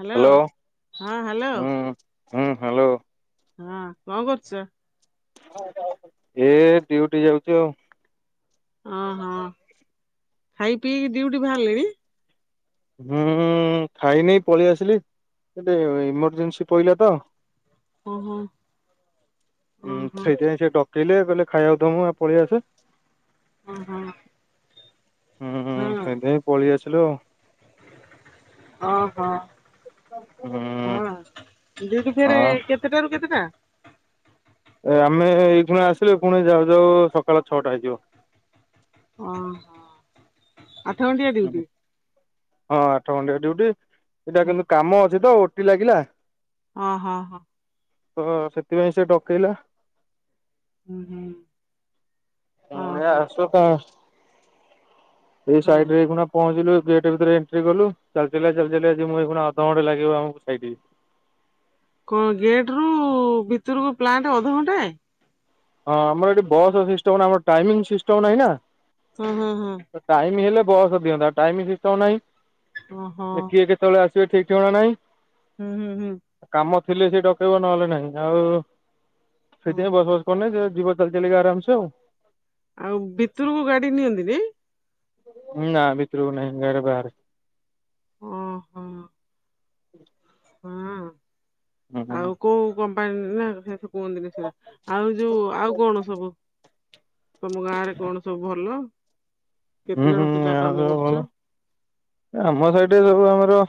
Hello ହଁ hello. ହୁଁ ହୁଁ ହ୍ୟାଲୋ ହଁ କଁ କରୁଚ? ଏ ଡ୍ୟୁଟି ଯାଉଛି ଆଉ। ଅହୋ ଖାଇ ପିଇକି ଡ୍ୟୁଟି ଭାଆରିଲେଣି? ହୁଁ-ଉ ଖାଇନି ପଳିଆସିଲି ଏ ଟିକେ ଏମର୍ଜେନ୍ସି ପଇଲା ତ ଓହୋ ହୁଁ ଓହୋ ସେଇଥିପାଇଁ ସେ ଡ କେଇଲେ କଇଲେ ଖାଇଆକୁ ଦମୁଁ ଆ ପଳେଇଆସେ ଓହୋ। ହୁଁ ହୁଁ ହଁ ସେଇଥିପାଇଁ ପଳିଆସିଲୁ ଆଉ। ଓହୋ ହୁଁ ହଁ ଡ୍ୟୁଟି ଫେରେ ହଁ କେତେଟାରୁ କେତେଟା? ଏ ଆମେ ଏଇ ଖୁଣା ଆସିଲୁ ପୁଣି ଯାଉ ଯାଉ ସକାଳ ଛଅଟା ହେଇଯିବ। ଓହୋ ଆଠ ଘଣ୍ଟିଆ ଡ୍ୟୁଟି। ହଁ ଆଠ ଘଣ୍ଟିଆ ଡ୍ୟୁଟି ଏଇଟା କିନ୍ତୁ କାମ ଅଛି ତ ଓଟି ଲାଗିଲା। ଓ ହଁ ହଁ। ତ-ଅ ସେଥିପାଇଁ ସେ ଡକେଇଲା। ହୁଁ ହୁଁ ଏଁ ଓହୋ ଆସୁକା ଏଇ ସାଇଡ୍ ହଁ ରେ ଏଇଖୁଣା ପହଞ୍ଚିଲୁ ଗେଟ୍ ଭିତରେ ଏଣ୍ଟ୍ରି କଲୁ ଚାଲିଚାଲିକା ଚାଲିଚାଲିକା ଯିମୁଁ ଏଇଖୁଣା ଅଧଘଣ୍ଟେ ଲାଗିବ ଆମକୁ ସାଇଡକୁ। କଣ ଗେଟରୁ-ଉ ଭିତୁରୁକୁ ପ୍ଲାଣ୍ଟ ଅଧଘଣ୍ଟାଏ? ହଁ ଆମର ଏଠି ବସ୍ ସିଷ୍ଟମ୍ ନା ଆମର ଟାଇମିଙ୍ଗ୍ ସିଷ୍ଟମ୍ ନାହିଁ ନା। ହୁଁ ହୁଁ ହୁଁ। ତ ଟାଇମ ହେଲେ ବସ ଦିଅନ୍ତା ଟାଇମ ସିଷ୍ଟମ୍ ନାହିଁ, ଓହୋ କିଏ କେ କେତବେଳେ ଆସିବେ ଠିକ୍ ଠିକଣା ନାହିଁ ହୁଁ ହୁଁ ହୁଁ। କାମ ଥିଲେ ସେ ଡକେଇବ ନହେଲେ ନାହିଁ ଆଉ-ଉ ହୁଁ ସେଇଥିପାଇଁ ବସ୍ ଫସ ଏ ସେ ଜୀବ ଚାଲି ଚାଲିକା ଆରାମ ସେ ଆଉ। ଆଉ ଭିତୁରୁକୁ ଗାଡି ନିଅନ୍ତିନି? ନାଁ ଭିତରକୁ ନାହିଁ ଗାଡି ବାହାରେ। ଓହୋ। ହଁ। ହୁଁ ହୁଁ। ଆଉ କୋଉଁ କମ୍ପାନୀରେ ନାଁ ସେଠୁଁ କୁହନ୍ତିନି ସେଗୁରା ଆଉ ଯୋଉଁ ଆଉ କଣ ସବୁ? ତମ ଗାଁରେ କଣ ସବୁ ଭଲ ହୁଁ କେତେ ହୁଁ ଜଣ ପିଲା ଆଉ କାମ ସବୁ ଭଲ କରୁଛ? ଆମ ସାଇଡ୍ ରେ ସବୁ ଆମର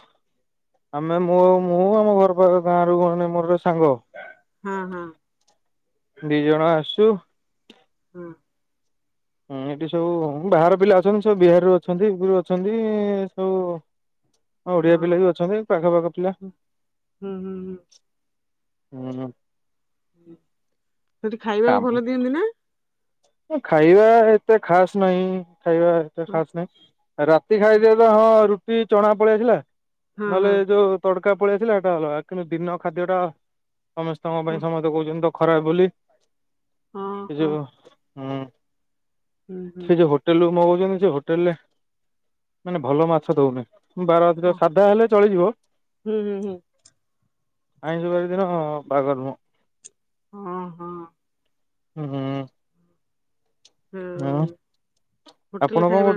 ଆମେ ମୁଁ ମୁଁ ଆମ ଘର ପାଖରେ ଗାଁ ରୁ ଗୋଟେ ମୋର ଜଣେ ସାଙ୍ଗ। ହଁ ହଁ। ଦି ଜଣ ଆସୁଁ। ହଁ। ହୁଁ ଏଠିଁ ସବୁ ବାହାର ପିଲା ଅଛନ୍ତି ସବୁ ବିହାରରୁ ଅଛନ୍ତି ଯୋଉଁ ରୁ ଅଛନ୍ତି ସବୁ। ହଁ ଓଡ଼ିଆ ପିଲା ବି ଅଛନ୍ତି। ଆମ ପାଖପାଖ ପିଲା ହୁଁ ହୁଁ ହୁଁ ହଁ ହଁ। ସେଠି ଖାଇବାକୁ କାମ ଭଲ ଦିଅନ୍ତି ନାଁ? ଖାଇବା ଏତେ ଖାସ୍ ନାହିଁ ଖାଇବା ଏତେ ହଁ ଖାସ ନାହିଁ ରା ତି ଖାଇବା ଟା ହଁ ରୁଟି ଚଣା ପଳେଇଆସିଲା ହଁ ହଁ ନହେଲେ ଯୋଉଁ ତଡ଼କା ପଳେଇ ଆସିଲା ଏଟା ଅଲଗା କିନ୍ତୁ ଦିନ ଖାଦ୍ୟଟା ସମସ୍ତଙ୍କ ହଁ ପାଇଁ ସମସ୍ତେ କହୁଛନ୍ତି ତ ଖରାପ୍ ବୋଲି। ହଁ ହଁ। ହୁଁ ହୁଁ ସେଇ ଯୋଉଁ କରୁଛି। ହୋଟେଲ୍ ମଗଉଛନ୍ତି ସେ ହୋଟେଲ ରେ ମାନେ ଭଲ ମାଛ ଦଉନାହିଁ। ମୋ ବାରଥିଲେ ହଁ ସାଧା ହେଲେ ଚଳିଯିବ। ହୁଁ ହୁଁ ହୁଁ ଆଇଁଷବାରି ଦିନ ହଁ ବାଗ ନୁହଁ। ହଁ ହଁ। ଉଁ ହୁଁ। ଆଉ ନାଁ ମଁ। ହୋଟେଲ ଖାଇବା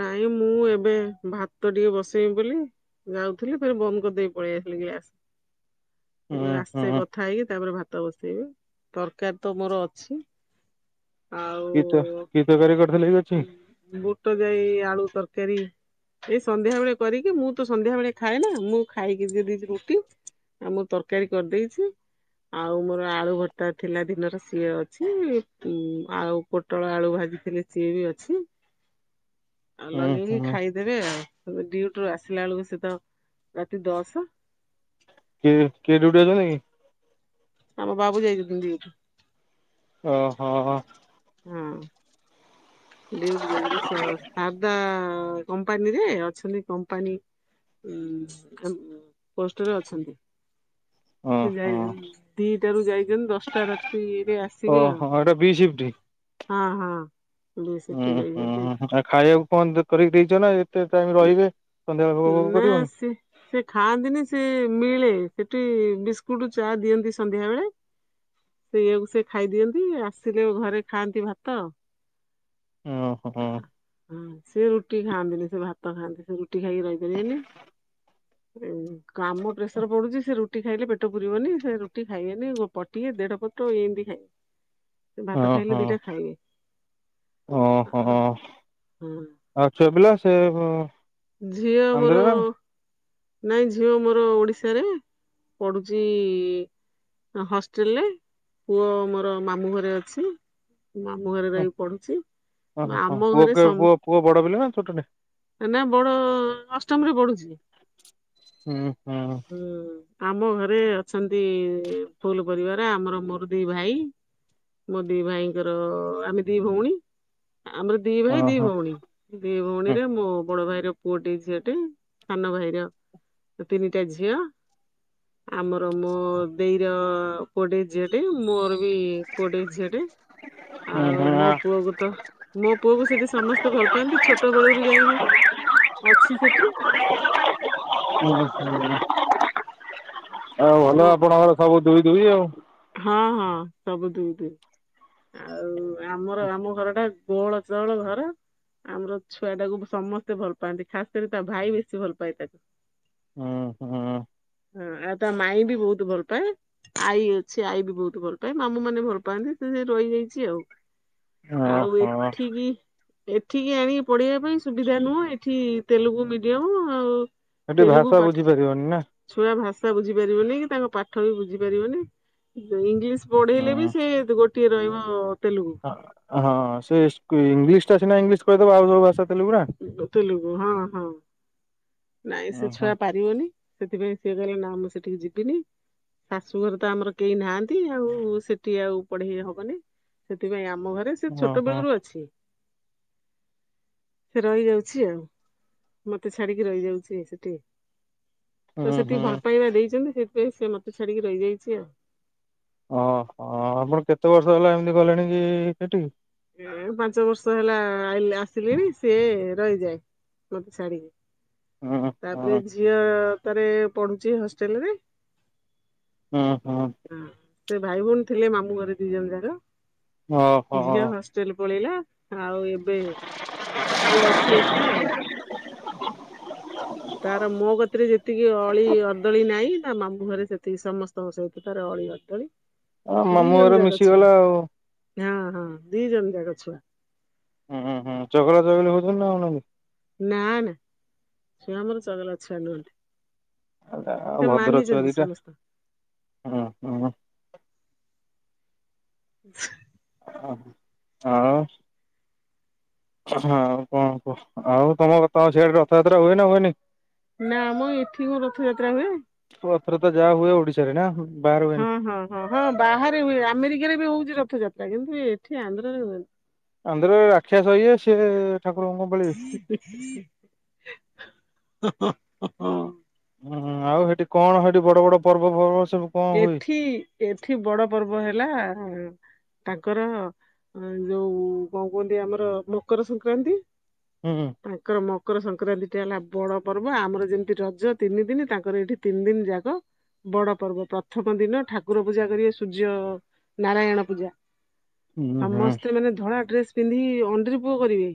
ନାଇଁ ମୁଁ ଏବେ ଭାତ ଟିକେ ବସେଇବି ବୋଲି। ଯାଉଥିଲି ଫରେ ବନ୍ଦ କରିଦେଇି ପଳେଇ ଆସିଲି ଗ୍ୟାସ୍। [inaudible] ମୁଁ କହିଲି ଆସେ ହୁଁ କଥା ହେଇକି ତାପରେ ଭାତ ବସେଇବି ତରକାରୀ ତ ମୋର ଅଛି। ଆଉ କିତର କି ତରକାରୀ କରିଥିଲେ କି ଏଠିଁ। ବୁଟ ଯାଇ ଆଳୁ ତରକାରୀ। ଏ ସନ୍ଧ୍ୟା ବେଳେ କରିକି ମୁଁ ତ ସନ୍ଧ୍ୟା ବେଳେ ଖାଏ ନାଁ ମୁଁ ଖାଇକି ଯିବି ରୁଟି। ଆଉ ମୁଁ ତରକାରୀ କରିଦେଇଛି। ଆଉ ମୋର ଆଳୁ ଭରତା ଥିଲା ଦିନର ସିଏ ଅଛି। ଯୋଉଁ ଆଉ ପୋଟଳ ଆଳୁ ଭାଜିଥିଲି ସିଏ ବି ଅଛି। ଆଉ ଲଗେଇକି ହୁଁ ହୁଁ ଖାଇବୁ ଦେବେ ଆଉ ଡିୁଟି ରୁ ଆସିଲା ବେଳକୁ ସିଏ ତ ରାତି ଦଶ। କିର କିରୁଡି ନାଇଁ। ଆମ ବାବୁ ଯାଇଛନ୍ତି ଡିଉଟି। ଓ ହୋ ହୋ। ହଁ। ଡିଉଟି ଯାଇଛନ୍ତି। ସ ସାରଦା କମ୍ପାନୀରେ ଅଛନ୍ତି କମ୍ପାନୀ ଉଁ ହୁଁ ଆମ ପୋଷ୍ଟରେ ଅଛନ୍ତି। ସେ ଯାଇ ଓହୋ ଦିଟାରୁ ଯାଇଛନ୍ତି ଦଶଟା ରାତିରେ ଆସିବେ। ଏଟା ବି ସିଫ୍ଟି ହଁ ହଁ। ବି ହୁଁ ସେଠି ହୁଁ ଯାଇଛନ୍ତି ଆଉ ଖାଇବାକୁ କଣ କରିକି ଦେଇଛ ନା ଏତେ ଟାଇମ୍ ରହିବେ। ସନ୍ଧ୍ୟାବେଳେ ଭୋଗ ଭୋଗ ମ କରିବନି ସେ [inaudible] ସେ ଖାଆନ୍ତିନି ସେ ମିଳେ ସେଠି ବିସ୍କୁଟ୍ ଚା ଦିଅନ୍ତି ସନ୍ଧ୍ୟା ବେଳେ। ସେ ଖାଇ ଦିଅନ୍ତି ଆସିଲେ ଘରେ ଖାଆନ୍ତି ଭାତ। ଓହୋ ସେ ରୁଟି ଖାଆନ୍ତିନି ସେ ଭାତ ଖାଆନ୍ତି ସେ ରୁଟି ରୁଟି ଖାଇକି ରହି ପାରିବେନି କାମ ପ୍ରେସର ପଡ଼ୁଚି ସେ ରୁ ରୁଟି ଖାଇଲେ ପେଟ ପୁରିବନି ସେ ରୁଟି ଖାଇବେନି ପଟିଏ ଦେଢ଼ ପଟ ଏମିତି ଖାଇ ସେ ଭାତ ଖାଇଲେ ଓହୋ ଦିଟା ଖାଇବେ ଓହୋ ହଁ। ଆଉ ଛୁଆ ପିଲା ସେ ଝିଅ ମୋର ଆନ୍ଧ୍ରରେ ନା ନାଇଁ ଝିଅ ମୋର ଓଡ଼ିଶାରେ ପଢ଼ୁଛି। ହଷ୍ଟେଲରେ ପୁଅ ମୋର ମାମୁଁ ଘରେ ଅଛି। ମାମୁଁ ଘରେ ରହକି ପଢ଼ୁଛି। ଓହୋ ପୁଅ ପୁଅ ବଡ଼ ପିଲାନା ଛୋଟଟା? ପୁଅ ଅଷ୍ଟମରେ ପଢ଼ୁଛି। ହୁଁ ହୁଁ ଆମ ଘରେ ଅଛନ୍ତି ଫୁଲ୍ ପରିବାର ଆମର ମୋର ଦି ଭାଇ। ମୋ ଦି ଭାଇଙ୍କର ଆମେ ଦି ଭଉଣୀ ଆମ ଦି ଭାଇ ଦି ଓହୋ ଭଉଣୀ ଦି ହୁଁ ଭଉଣୀରେ ମୋ ବଡ଼ ଭାଇର ପୁଅଟେ ଝିଅଟେ ସାନ ଭାଇର ତିନିଟା ଝିଅ। ଆମର ମୋ ଦିର ପୁଅଟେ ଝୀ ମୋର ବି ପୁଏଟେ ଝିଅଟେ ଆଉ ହୁଁ ମୋ ପୁଅକୁ ତ ମୋ ପୁଅକୁ ସେଠି ସମସ୍ତେ ଭଲ ପାଆନ୍ତି ଛୋଟ ବଳରୁ ଯାଇକି ଅଛି ସେଠି। ଆଉ ଭଲ ମୁଁ ଆପଣଙ୍କର ସବୁ ଦୁଇ ଦୁଇ ଆଉ। ହଁ ହଁ ସବୁ ଦୁଇ ଦୁଇ ଆଉ ଆମର ଆମ ଘରଟା କୋଳ ଚହଳ ଘର ଆମର ଛୁଆଟାକୁ ସମସ୍ତେ ଭଲ ପାଆନ୍ତି ଖାସ୍ କରି ତା ଭାଇ ବେଶୀ ଭଲ ପାଏ ତାକୁ। ହୁଁ ହୁଁ। ହଁ ଆଉ ତା ମାଇଁ ବି ବହୁତ ଭଲ ପାଏ ଆଈ ସେ ଆଇ ବି ବହୁତ ଭଲ ପାଏ ମାମୁଁ ମାନେ ଭଲ ପାଆନ୍ତି ସେମିତି ରହିଯାଇଛି ଆଉ। ଆଉ ଓହୋ ଏଠିବି ଏଠିକି ଆଣିକି ପଢ଼େଇବା ପାଇଁ ସୁବିଧା ନୁହଁ ଏଠି ତେଲୁଗୁ ମିଡିୟମ ଆଉ। ଏଠି ତେଲୁଗୁ ଭାଷା ପାଠ ବୁଝିପାରିବନି ନା। ଛୁଆ ଭାଷା ବୁଝି ପାରିବନି କି ତାଙ୍କ ପାଠ ବି ବୁଝି ପାରିବନି ଇଂଲିଶ ହୁଁ। ପଢ଼େଇଲେବି ସେ ଗୋଟିଏ ରହିବ ତେଲୁଗୁ। ହଁ ସେ ଇଂଲିଶ ଟା ନା ସିନା ଇଂଲିଶ [inaudible] ତୋ ଭାଉଜ କୁ ଆସେ ତେଲଗୁ ପରା ତେଲୁଗୁ ହଁ ହଁ। [unintelligible] ନାଇଁ ସେ ଛୁଆ ପାରିବନି ସେଥିପାଇଁ ସିଏ କହିଲେ ନା ମୁଁ ସେଠିକି ଯିବିନି। ଶାଶୁଘରେ ତ ଆମର କେହି ନାହାନ୍ତି ଆଉ ସେଠି ଆଉ ପଢ଼େଇ ହେବନି। ସେଥିପାଇଁ ଆମ ଘରେ ସେ ଛୋଟ ଓହୋ ବେଳରୁ ଅଛି। ସେ ରହିଯାଉଛି ଆଉ ମତେ ଛଡ଼ିକି ରହିଯାଇଛି ସେଠି। ହୁଁ ହୁଁ ସେତିକି ଭଲ ପାଇବା ଦେଇଛନ୍ତି ସେଇଥିପାଇଁ ସେ ମତେ ଛାଡ଼ିକି ରହିଯାଇଛି ଆଉ। ଓ ହ ଆପଣ କେତେ ବର୍ଷ ହେଲା ଏମିତି ଗଲେଣି କି ସେଠିକି? ଏ ପାଞ୍ଚ ବର୍ଷ ହେଲା ଆସିଲିଣି ସିଏ ରହିଯାଏ। ମତେ ଛାଡିକି। ହୁଁ ତାପରେ ଝିଅ ତାରେ ପଢୁଛି ହଷ୍ଟେଲ ରେ। ହଁ ହଁ ସେ ଭାଇ ଭଉଣୀ ଥିଲେ ମାମୁଁ ଘରେ ଦି ଜଣ ଯାକ ଓହୋ ଝିଅ ହ ହଷ୍ଟେଲ ପଳେଇଲା ଆଉ ଏବେ ପୁଅ ଅଛି ଏକା ଆଉ। ତାର ମୋ ଗତିରେ ଯେତିକି ଅଳି ଅର୍ଦଳି ନାହିଁ ତା ମାମୁଁ ଘରେ ସେତିକି ସମସ୍ତଙ୍କ ସହିତ ତାର ଅଳି ଅଛି। ତ ହଁ ମାମୁଁ ଘରେ ମିଶିଗଲା ଆଉ। ହଁ ହଁ ଦି ଜଣ ଯାକ ଛୁଆ। ହୁଁ ହୁଁ ଚଗଲା ଚଗଲି ହଉଛନ୍ତି ନା ହଉନାହାନ୍ତି। ନା ନା ସିଏ ଆମର ଚଗଲା ଛୁଆ ନୁହନ୍ତି। ଆଉ ସେ ଭଦ୍ର ଛୁଆ ମାନିଛନ୍ତି ଦିଟା ସମସ୍ତ ହୁଁ ହୁଁ। ଆ ହ ଆଉ ହଁ କଣ କୁହ ଆଉ ତମ ତମ ସିଆଡେ ରଥଯାତ୍ରା ହୁଏ ନା ହୁଏନି? ନା ମ ଏଠି କଣ ରଥଯାତ୍ରା ହୁଏ। ରଥଯାତ୍ରା ଯାହା ହୁଏ ଓଡିଶାରେ ନା। ବାହାରେ ହୁଏନି? ହଁ ହଁ ହଁ ହଁ ବାହାରେ ହୁଏ ଆମେରିକାରେ ବି ହଉଛି ରଥଯାତ୍ରା କିନ୍ତୁ ଏଠି ଆନ୍ଧ୍ରାରେ ହୁଏନି। ଆନ୍ଧ୍ରାରେ ରାକ୍ଷସ ଇଏ ସିଏ ଠାକୁରଙ୍କୁ କଣ ଭଳି ହ ହ ହ ହୁଁ ଆଉ ସେଠି କଣ ସେଠି ବଡ ବଡ ପର୍ବ ପର୍ବ ସବୁ କଣ ହୁଏ? ଏଠି ଏଠି ବଡ ପର୍ବ ହେଲା। ତାଙ୍କର ଯୋଉ କଣ କୁହନ୍ତି ଆମର ମକର ସଂକ୍ରାନ୍ତି। ହୁଁ ହୁଁ। ତାଙ୍କର ମକର ସଂକ୍ରାନ୍ତି ଟା ହେଲା ବଡ ପର୍ବ ଆମର ଯେମିତି ରଜ ତିନି ଦିନ ତାଙ୍କର ଏଇଠି ତିନି ଦିନ ଯାକ ବଡ ପର୍ବ ପ୍ରଥମ ଦିନ ଠାକୁର ପୂଜା କରିବେ ସୂର୍ଯ୍ୟ ନାରାୟଣ ପୂଜା। ହୁଁ ହୁଁ ସମସ୍ତେ ମାନେ ଧଳା ଡ୍ରେସ ପିନ୍ଧି ଅଣ୍ଡିରପୁଅ କରିବେ।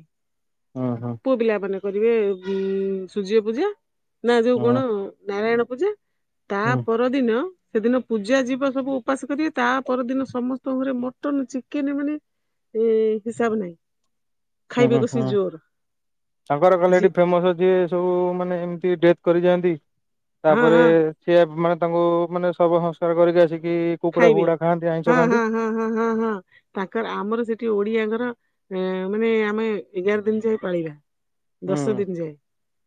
ହଁ ହଁ। ପୁଅ ପିଲା ମାନେ କରିବେ ଉ ସୂର୍ଯ୍ୟ ପୂଜା ନା ଯୋଉ କଣ ହୁଁ ନାରାୟଣ ପୂଜା ତା ହୁଁ ପରଦିନ। ସେଦିନ ପୂଜା ଯିବା ସବୁ ଉପାସ କରିବେ ତା ପରଦିନ ସମସ୍ତଙ୍କ ଘରେ ମଟନ ଚିକେନ ମାନେ ସେ ହିସାବ ନାହିଁ। ହୁଁ ଖାଇବେ ହୁଁ କଷି ହୁଁ ଜୋର ତାଙ୍କର କହିଲ ଜି ଏଠି ଫେମସ ଅଛି। ସବୁ ମାନେ ଏମତି ଡେଥ କରିଯାଆନ୍ତି ହଁ ତାପରେ ହଁ ସେ ମାନେ ତାଙ୍କୁ ମାନେ ସବୁ ସଂସ୍କାର କରିକି ଆସିକି। କୁକୁଡା ଖାଇବେ ଫୁକୁଡା ଖାଆନ୍ତି ଆଇଁଷ ହଁ ହଁ ଖାଆନ୍ତି। ହଁ ହଁ ହଁ ହଁ। ତାଙ୍କର ଆମର ସେଠି ଓଡିଆଙ୍କର ମାନେ ଆମେ ଏଗାର ଦିନ ଯାଇଏ ପାଳିବା। ହୁଁ ଦଶ ଦିନ ଯାଏ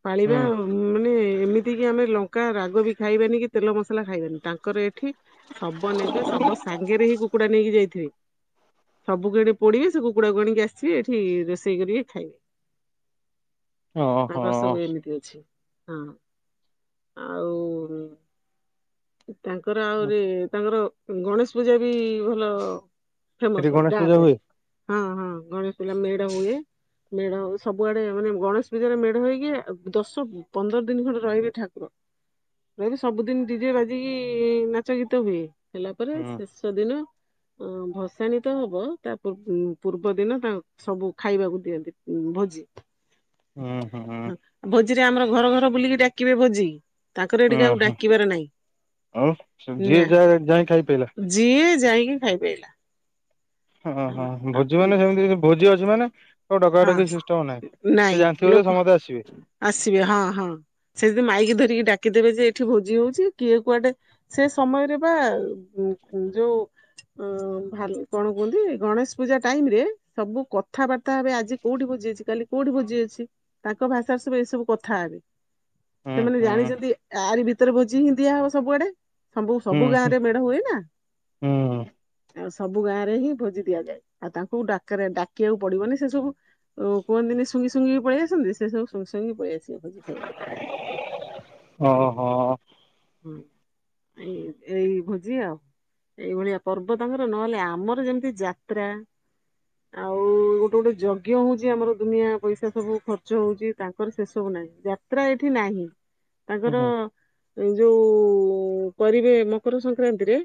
ପାଳିବା ହୁଁ ଆଉ। ମାନେ ଏମିତି କି ଆମେ ଲଙ୍କା ରାଗ ବି ଖାଇବାନି କି ତେଲ ମସଲା ଖାଇବାନି ତାଙ୍କର ଏଠି ଶବ ନେବେ ସବ ସାଙ୍ଗରେ ହିଁ କୁକୁଡା ନେଇକି ଯାଇଥିବେ। ସବୁ ଏଣେ ପୋଡିବେ ସେ କୁକୁଡ଼ାକୁ ଆଣିକି ଆସିବେ ଏଠି ରୋଷେଇ କରିକି ଖାଇବେ। [inaudible] ଓହୋ ତାଙ୍କର ସବୁ ଏମିତି ଅଛି। ହଁ ଆଉ ତାଙ୍କର ଆହୁରି ତାଙ୍କର ଗଣେଶ ପୂଜା ବି ଭଲ ସେଠି ଫେମସ [unintelligible] ଗଣେଶ ପୂଜା ହଡକ ହୁଏ? ହଁ ହଁ ଗଣେଶ ପୁଜା ମେଢ ହୁଏ। ମେଢ ସବୁଆଡେ ମାନେ ଗଣେଶ ପୂଜାରେ ମେଢ ହେଇକି ଦଶ ପନ୍ଦର ଦିନ ଖଣ୍ଡେ ରହିବେ ଠାକୁର। ରହି ସବୁଦିନ ଡିଜେ ବାଜିକି ନାଚ ଗୀତ ହୁଏ ହେଲା ପରେ ହୁଁ ସେଦିନ ଅ ଭସାଣି ତ ହବ ତା ପୂର୍ବ ଦିନ ତାଙ୍କ ସବୁ ଖାଇବାକୁ ଦିଅନ୍ତି ଭୋଜି। ହୁଁ ହୁଁ ହୁଁ। ଭୋଜିରେ ଆମର ଘର ଘର ବୁଲିକି ଡାକିବେ ଭୋଜି ତାଙ୍କର ଏ ଟିକେ ଆଉ ହୁଁ ଡାକିବାରେ ନାହିଁ। ଆଉ ଯିଏ ନା ଯାହା ଯାଇ ଖାଇ ପାଇଲା? ଯିଏ ଯାଇକି ଖାଇ ପାଈଲା। ଓହୋ ଭୋଜି ମାନେ ସେମିତି ଭୋଜି ଅଛି ମାନେ ଆଉ ଡକା ହଁ ଡକି ସିଷ୍ଟମ ନାହିଁ। ନାଇଁ ସେ ଜାଣିଥିବେ ଯେ ଲୋକ ସମସ୍ତେ ଆସିବେ। ଆସିବେ ହଁ ହଁ, ସେ ଯଦି ମାଇକି ଧରିକି ଡାକିଦେବେ ଯେ ଏଇଠି ଭୋଜି ହଉଛି କିଏ କୁଆଡେ। ସେ ସମୟରେ ପା ଯୋଉ ଉଁ ଭାଲୁ କଣ କୁହନ୍ତି ଏ ଗଣେଶ ପୂଜା ଟାଇମ ରେ ସବୁ କଥାବାର୍ତ୍ତା ହେବେ ଆଜି କୋଉଠି ଭୋଜି ଅଛି କାଲି କୋଉଠି ଭୋଜି ଅଛି ତାଙ୍କ ଭାଷ ସ ସବୁ ଏ ସବୁ କଥା ହେବେ ହୁଁ ସେମାନେ ହୁଁ ଜାଣିଛନ୍ତି ଆରି ଭିତରେ ଭୋଜି ହିଁ ଦିଆହବ ସବୁଆଡେ ସବୁ ହୁଁ ସବୁ ଗାଁ ହୁଁ ରେ ମେଢ ହୁଏ ନା। ହୁଁ ଆଉ ସବୁ ଗାଁରେ ହିଁ ଭୋଜି ଦିଆଯାଏ ଆଉ ତାଙ୍କୁ ଡାକରା ଡାକିବାକୁ ପଡିବନି ସେ ସବୁ ଓ କୁହନ୍ତିନି ଶୁଙ୍ଗି ଶୁଙ୍ଗି ପଳେଇଆସନ୍ତି ସେ ସବୁ ସୁଙ୍ଗି ସୁଙ୍ଗୀ କି ପଳେଇଆସିବେ ଭୋଜି ଖାଇବାକୁ ସେଇଆ। ଓହୋ। ହୁଁ ଏଇ ଏଇ ଭୋଜି ଆଉ। ଏଇଭଳିଆ ପର୍ବ ତାଙ୍କର। ନହେଲେ ଆମର ଯେମିତି ଯାତ୍ରା। ଆଉ ଗୋଟେ ଗୋଟେ ଯଜ୍ଞ ହଉଛି ଆମର ଦୁନିଆ ପଇସା ସବୁ ଖର୍ଚ୍ଚ ହଉଛି। ତାଙ୍କର ସେ ସବୁ ନାହିଁ। ଯାତ୍ରା ଏଠି ନାହିଁ। [inaudible] ତାଙ୍କର ଯୋଉ କରିବେ ମକର ସଂକ୍ରାନ୍ତିରେ।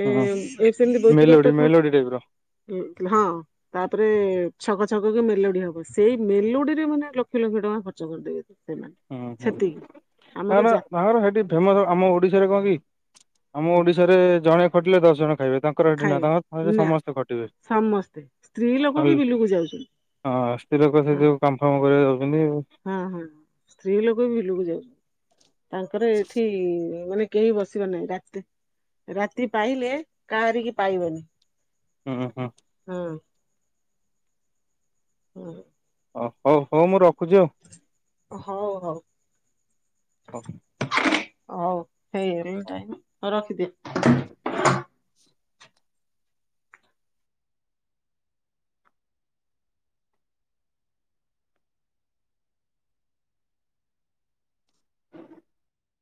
ଏ ହୁଁ ଏ ସେମତି ବୋଜିବା ମେଲୋଡି ତଥା ମେଲୋଡି ଟାଇପ ର ହଁ। ତାପରେ ଛକ ଛକ କି ମେଲୁଡି ହବ ସେଇ ମେଲୁଡିରେ ମାନେ ଲକ୍ଷ ଲକ୍ଷ ଟଙ୍କା ଖର୍ଚ୍ଚ କରିଦେବେ। ସେ [unintelligible] ହୁଁ ହୁଁ ଆ [unintelligible] ନ ନ ହେଡି ଫେମସ ଆମ ଓଡିଶାରେ କଣ କି ଆମ ହୁଁ ଓଡିଶାରେ ଜଣେ ଖଟିଲେ ଦଶ ଜଣ ଖାଇବେ ତାଙ୍କ ତାଙ୍କର ସେଠି ନା ଖାଇବେ ତାଙ୍କର ସେଠି ନା ସମସ୍ତେ ଖଟିବେ ସମସ୍ତେ ସ୍ତ୍ରୀ ଲୋକ ବି ହଁ ବିଲକୁ ଯାଉଛନ୍ତି। ସ୍ତ୍ରୀ ଲୋକ ସେ ହଁ ସବୁ କାମ ଫାମ କରିବା ଯାଉଛନ୍ତି। ହଁ ହଁ ସ୍ତ୍ରୀ ଲୋକ ବି ବିଲୁକୁ ଯାଉଛନ୍ତି। ତାଙ୍କର ଏଠି। ଠି ମାନେ କେହି ବସିବ ନାହିଁ ରାତି ରାତି ପାଇଲେ କାହାରି କିି ପାଇବନି। ହୁଁ ହୁଁ। ହଁ ହଁ। ଓ ହଉ ହଉ ମୁଁ ରଖୁଛି ଆଉ। ହଉ ଆଉ। ହଉ। ହଉ ହେଇଗଲାଣି ଟାଇମ୍ ହଉ ରଖିଦିଅ।